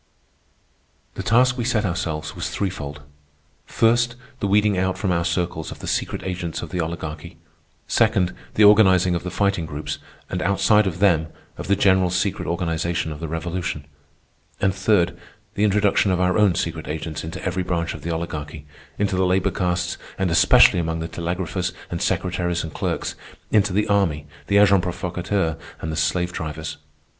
The task we set ourselves was threefold. First, the weeding out from our circles of the secret agents of the Oligarchy. Second, the organizing of the Fighting Groups, and outside of them, of the general secret organization of the Revolution. And third, the introduction of our own secret agents into every branch of the Oligarchy—into the labor castes and especially among the telegraphers and secretaries and clerks, into the army, the agents provocateurs, and the slave drivers.